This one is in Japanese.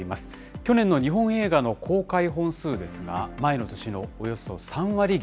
去年の日本映画の公開本数ですが、前の年のおよそ３割減。